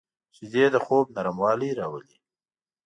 شیدې د خوب نرموالی راولي